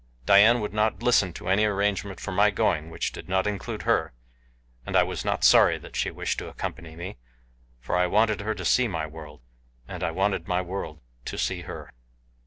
Dian would not listen to any arrangement for my going which did not include her, and I was not sorry that she wished to accompany me, for I wanted her to see my world, and I wanted my world to see her.